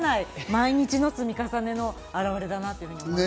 毎日の積み重ねの表れだと思います。